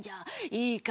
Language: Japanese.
いいか？